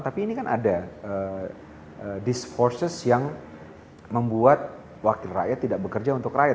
tapi ini kan ada diskursus yang membuat wakil rakyat tidak bekerja untuk rakyat